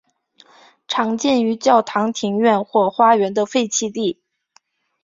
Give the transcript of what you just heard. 常见于教堂庭院或花园的废弃地。